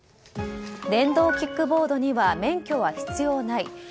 電動キックボードには免許は必要ない。